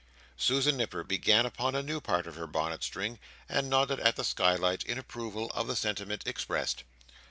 Susan Nipper began upon a new part of her bonnet string, and nodded at the skylight, in approval of the sentiment expressed.